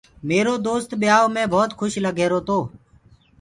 ميرو دوست ٻيآيو مي ڀوت کُش لگرهيرو تو۔